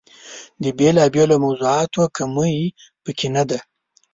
د بېلا بېلو موضوعاتو کمۍ په کې نه ده.